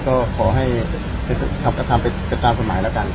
ก็ขอให้กระทำไปตามกฎหมายแล้วกัน